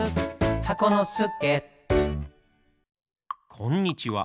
こんにちは。